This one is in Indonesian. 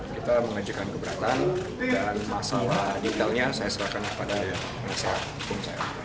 kita mengajukan keberatan dan masalah detailnya saya serahkan kepada pengisian